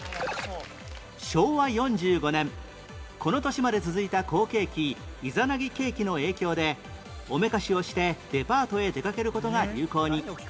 昭和４５年この年まで続いた好景気いざなぎ景気の影響でおめかしをしてデパートへ出かける事が流行に